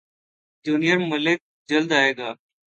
junior ملک جلد ائے گا